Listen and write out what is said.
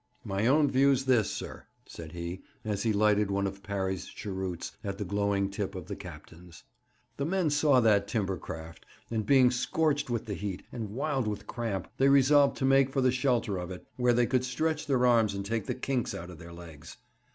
'My own view's this, sir,' said he, as he lighted one of Parry's cheroots at the glowing tip of the Captain's. 'The men saw that timber craft, and being scorched with the heat, and wild with cramp, they resolved to make for the shelter of it, where they could stretch their arms and take the kinks out of their legs.